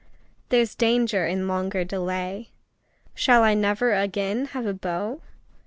There's danger in longer delay! Shall I never again have a beau?